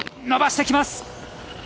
伸ばしてきます。